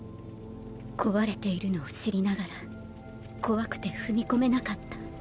壊れているのを知りながら怖くて踏み込めなかった。